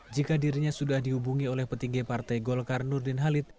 jika dirinya sudah dihubungi oleh petinggi partai golkar nurdin halid